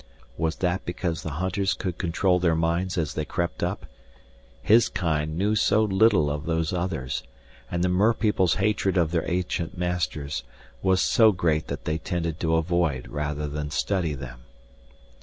Was that because the hunters could control their minds as they crept up? His kind knew so little of Those Others, and the merpeople's hatred of their ancient masters was so great that they tended to avoid rather than study them.